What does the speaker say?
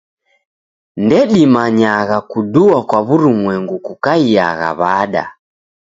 Ndedimanyagha kudua kwa w'urumwengu kukaiagha w'ada.